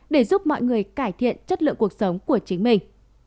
để giúp mọi người cải thiện chất lượng cuộc sống của chính mình